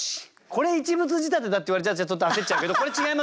これ一物仕立てだって言われちゃちょっと焦っちゃうけどこれ違いますよね。